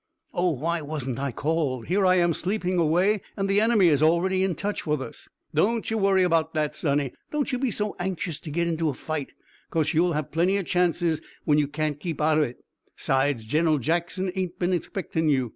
"Oh, why wasn't I called! Here I am sleeping away, and the enemy is already in touch with us!" "Don't you worry any 'bout that, sonny. Don't you be so anxious to git into a fight, 'cause you'll have plenty of chances when you can't keep out o' it. 'Sides, Gin'ral Jackson ain't been expectin' you.